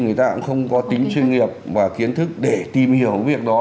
người ta cũng không có tính chuyên nghiệp và kiến thức để tìm hiểu việc đó